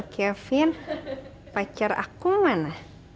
kevin pacar aku mana